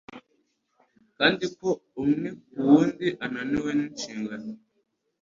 kandi ko umwe ku wundi ananiwe n'inshingano